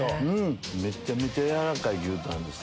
めちゃめちゃ軟らかい牛タンです。